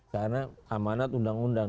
karena amanat undang undang